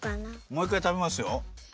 もう１かい食べますよ。